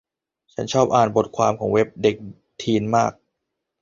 ฉันชอบอ่านบทความของเว็บเด็กทีนมาก